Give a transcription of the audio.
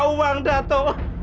aku mau beri uang dato